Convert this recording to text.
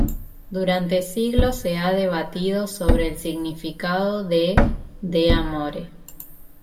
Durante siglos se ha debatido sobre el significado de "De Amore".